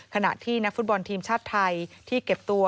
ขณะที่นักฟุตบอลทีมชาติไทยที่เก็บตัว